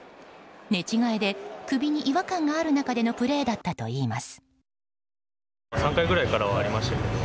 寝違えで首に違和感がある中でのプレーだったといいます。